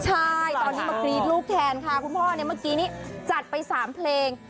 ใช่ตอนนี้มากรี๊ดลูกแทนค่ะคุณพ่อเนี่ยเมื่อกี้นี้จัดไป๓เพลง